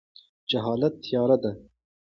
جهالت تیاره ده.